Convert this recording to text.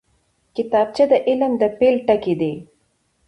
کتابچه د علم د پیل ټکی دی